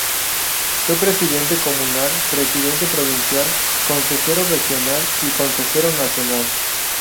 Fue Presidente Comunal, Presidente Provincial, Consejero Regional y Consejero Nacional.